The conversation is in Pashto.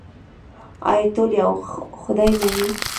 آیا ټول یو خدای مني؟